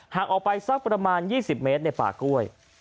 หากออกไปสักประมาณ๒๐เมตรในป่ากล้วย